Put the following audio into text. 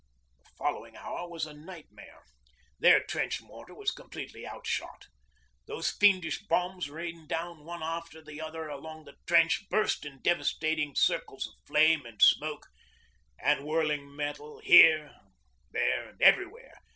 The following hour was a nightmare. Their trench mortar was completely out shot. Those fiendish bombs rained down one after the other along the trench, burst in devastating circles of flame and smoke and whirling metal here, there, and everywhere.